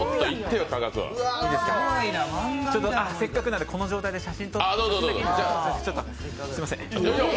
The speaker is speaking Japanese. せっかくなので、この状態で写真撮っていいですか？